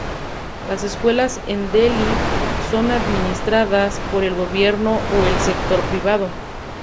Las escuelas en Delhi son administradas por el gobierno o el sector privado.